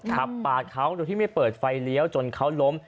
ขับปาดเขาโดยที่ไม่เปิดไฟเลี้ยวจนเขาล้ม